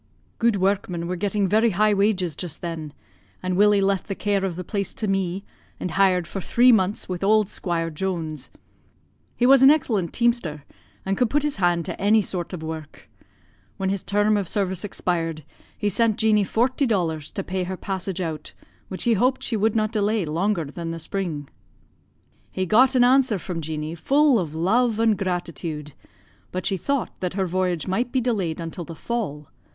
"Good workmen were getting very high wages just then, and Willie left the care of the place to me, and hired for three months with auld Squire Jones. He was an excellent teamster, and could put his hand to any sort of work. When his term of service expired he sent Jeanie forty dollars to pay her passage out, which he hoped she would not delay longer than the spring. "He got an answer from Jeanie full of love and gratitude, but she thought that her voyage might be delayed until the fall.